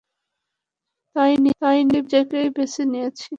তাই নিজেকেই বেছে নিয়েছি।